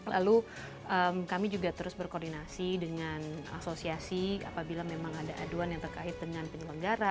lalu kami juga terus berkoordinasi dengan asosiasi apabila memang ada aduan yang terkait dengan penyelenggara